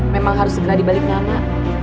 memang harus segera dibalik nama